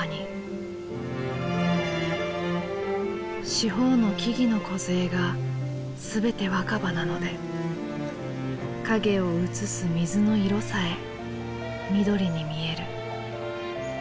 「四方の木々の梢が全て若葉なので影を映す水の色さえ緑に見える」。